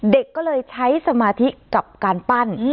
เด็กก็เลยใช้สมาธิกับการปั้น